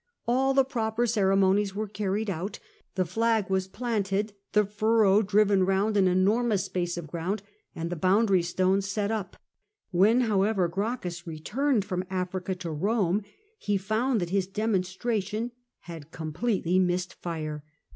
All the proper ceremonies were carried out: the flag was planted, the furrow driven round an enormous space of ground, and the boundary stones set up. When, however, Gracchus returned from Africa to Rome, he found that his demonstration had completely missed fire.